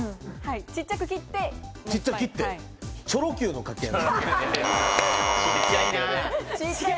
ちっちゃく切って、チョロＱのかき揚げ。